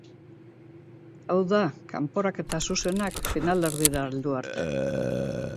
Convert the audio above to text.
Hau da, kanporaketa zuzenak finalerdietara heldu arte.